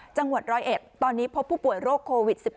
จังหวัด๑๐๑ตอนนี้พบผู้ป่วยโรคโควิด๑๙